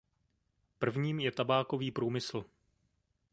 Prvním je tabákový průmysl.